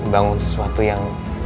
bangun sesuatu yang